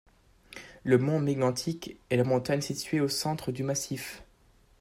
Le mont Mégantic est la montagne située au centre du massif.